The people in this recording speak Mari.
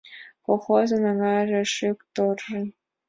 Колхозын аҥаже шӱк-торжын